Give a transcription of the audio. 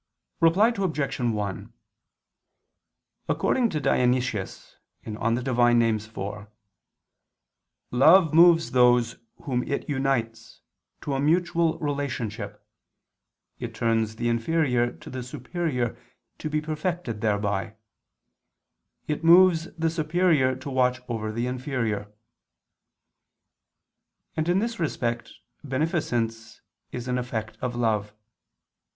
Reply Obj. 1: According to Dionysius (Div. Nom. iv), "love moves those, whom it unites, to a mutual relationship: it turns the inferior to the superior to be perfected thereby; it moves the superior to watch over the inferior:" and in this respect beneficence is an effect of love.